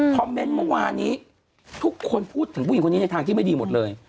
เมนต์เมื่อวานนี้ทุกคนพูดถึงผู้หญิงคนนี้ในทางที่ไม่ดีหมดเลย